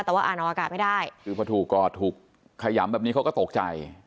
แต่ว่าอ่านอรักษณ์ไม่ได้เผื่อถูกกอดถูกขยัมแบบนี้เขาก็ตกใจ